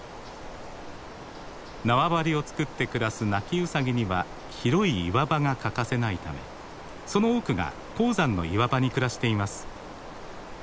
縄張りを作って暮らすナキウサギには広い岩場が欠かせないためその多くが高山の岩場に暮らしています。